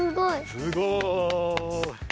すごい。